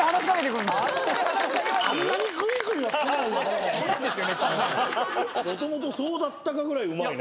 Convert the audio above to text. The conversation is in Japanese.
もともとそうだったかぐらいうまいね。